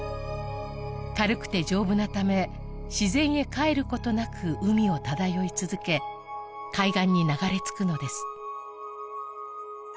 軽くて丈夫なため自然へ返ることなく海を漂い続け海岸に流れ着くのです